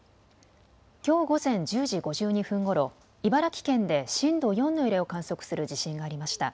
きょう午前１０時５２分ごろ、茨城県で震度４の揺れを観測する地震がありました。